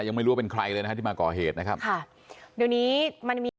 ยังไม่รู้ว่าเป็นใครเลยนะฮะที่มาก่อเหตุนะครับค่ะเดี๋ยวนี้มันยังมี